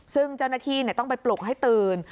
ซึ่งเจ้าหน้าที่ต้องไปปลุกให้ตื่น